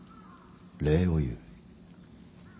礼を言う。